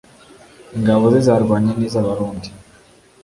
ingabo ze zarwanye n'iza'abarundi